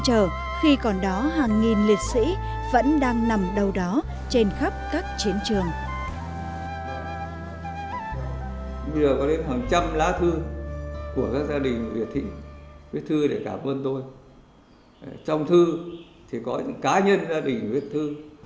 thì có những cá nhân gia đình viết thư